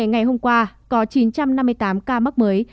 ngày hôm qua có chín trăm năm mươi tám ca mắc mới